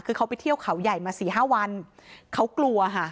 คือเขาไปเที่ยวเขาใหญ่มาสี่ห้าวันเขากลัวค่ะ